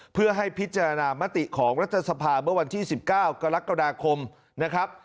เพื่อให้พิจารณามติของรัฐสภาเมื่อวันที่๑๙กรกฎาคมนะครับ